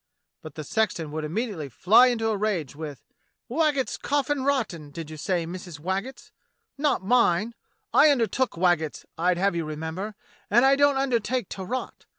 But the sexton would immediately fly into a rage with: "Waggetts' coffin rottin', did you say, Missus Waggetts.'^ Not mine. I undertook Waggetts, I'd have you remember, and I don't undertake to rot.